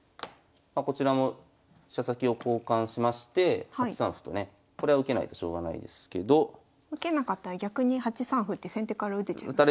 こちらも飛車先を交換しまして８三歩とねこれは受けないとしょうがないですけど。受けなかったら逆に８三歩って先手から打てちゃいますもんね。